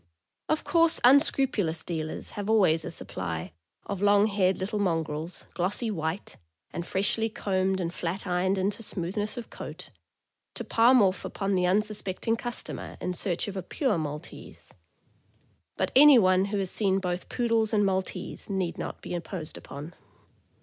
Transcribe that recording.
Of course unscrupulous dealers have always a supply of long haired little mongrels, glossy white, and freshly combed and flat ironed into smoothness of coat, to palm off upon the unsuspecting customer in search of a "pure Maltese;" but anyone who has seen both Poodles and Maltese need not be imposed upon.